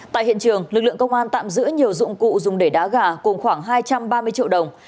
tại hiện trường lực lượng công an tạm giữ nhiều dụng cụ dùng để đá gà cùng khoảng hai trăm ba mươi triệu đồng